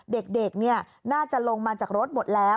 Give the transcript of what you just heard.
เด็กน่าจะลงมาจากรถหมดแล้ว